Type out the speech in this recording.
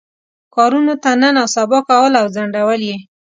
کارونو ته نن او سبا کول او ځنډول یې.